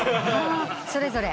それぞれ？